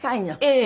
ええ。